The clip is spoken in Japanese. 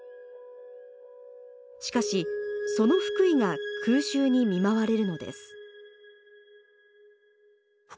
しかしその福井が空襲に見舞われるのです。